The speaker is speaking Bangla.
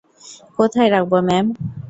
কোথায় রাখবো ম্যাম?